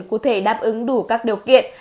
cụ thể đáp ứng đủ các điều kiện